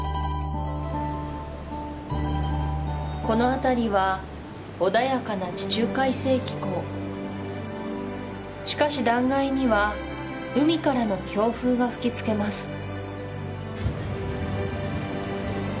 この辺りは穏やかな地中海性気候しかし断崖には海からの強風が吹きつけます